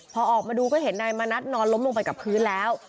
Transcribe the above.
พอออกมาดูก็เห็นนายมณัฐนอนล้มลงไปกับพื้นแล้ว